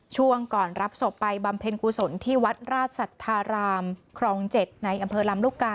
ช่วงก่อนรับศพไปบำเพ็ญกุศลที่วัดราชสัทธารามครอง๗ในอำเภอลำลูกกา